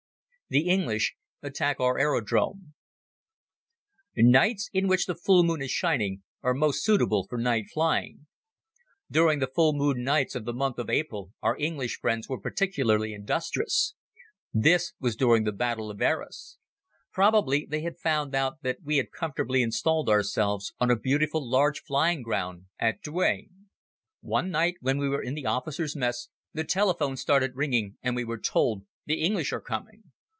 The English Attack Our Aerodrome NIGHTS in which the full moon is shining are most suitable for night flying. During the full moon nights of the month of April our English friends were particularly industrious. This was during the Battle of Arras. Probably they had found out that we had comfortably installed ourselves on a beautiful large flying ground at Douai. One night when we were in the Officers' Mess the telephone started ringing and we were told: "The English are coming."